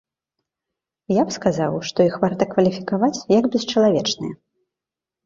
Я б сказаў, што іх варта кваліфікаваць як бесчалавечныя.